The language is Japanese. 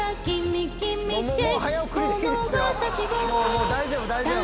もう大丈夫大丈夫。